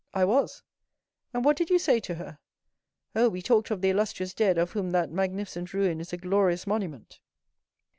"I was." "And what did you say to her?" "Oh, we talked of the illustrious dead of whom that magnificent ruin is a glorious monument!"